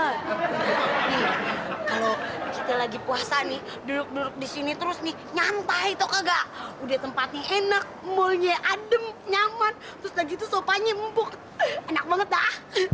nih kalau kita lagi puasa nih duduk duduk di sini terus nih nyantai tau gak udah tempatnya enak malunya adem nyaman terus lagi tuh sopanya mumpung enak banget dah